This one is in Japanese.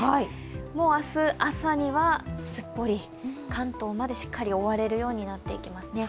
もう明日、朝にはすっぽり関東まで覆われるようになってきますね。